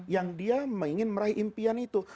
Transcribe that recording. yang dia ingin meraih impian itu